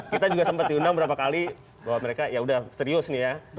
kita juga sempat diundang beberapa kali bahwa mereka ya udah serius nih ya